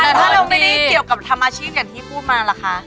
แต่ถ้าเราไม่ได้เกี่ยวกับทำอาชีพอย่างที่พูดมาล่ะคะ